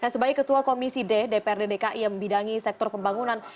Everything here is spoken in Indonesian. sebagai ketua komisi d dprd dki yang membidangi sektor pembangunan